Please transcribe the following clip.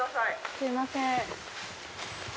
すいません。